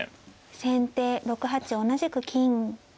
先手６八同じく金。